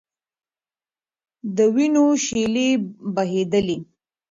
د وینو شېلې بهېدلې.